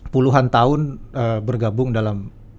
puluhan tahun bergabung dalam